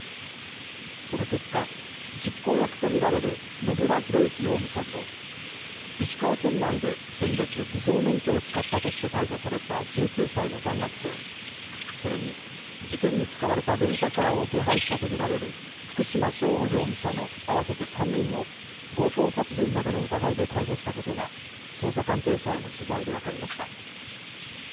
その結果、実行役と見られる野村広之容疑者と、石川県内で先月、偽造免許を使ったとして逮捕された１９歳の大学生、それに、事件に使われたレンタカーを手配したと見られる福島聖悟容疑者の合わせて３人を、強盗殺人などの疑いで逮捕したことが、捜査関係者への取材で分かりました。